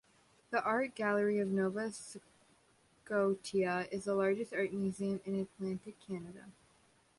The Art Gallery of Nova Scotia is the largest art museum in Atlantic Canada.